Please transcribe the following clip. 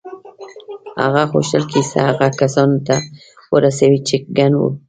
هغه غوښتل کیسه هغو کسانو ته ورسوي چې کڼ وو